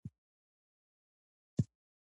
دا پاڅون د ازادۍ غوښتنې یو مهم مثال دی.